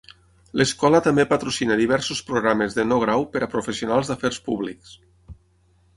L'escola també patrocina diversos programes de no-grau per a professionals d'afers públics.